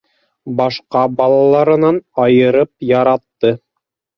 Башҡа балаларынан айырып яратты.